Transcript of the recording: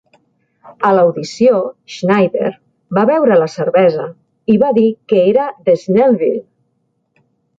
A l'audició, Schneider va beure la cervesa i va dir que era de Snellville.